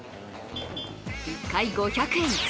１回５００円。